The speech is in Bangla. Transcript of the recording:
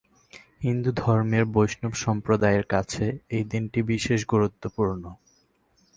হিন্দুধর্মের বৈষ্ণব সম্প্রদায়ের কাছে এই দিনটি বিশেষ গুরুত্বপূর্ণ।